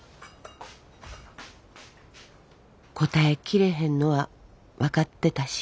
応えきれへんのは分かってたし